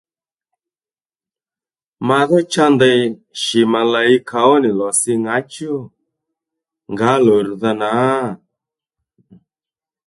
Mà dhó cha ndèy shì mà lay kà ó nì lò si ŋǎchú ngǎ lò rr̀dha nǎ